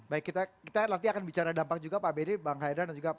baik kita nanti akan bicara dampak juga pak benny bang haidar dan juga pak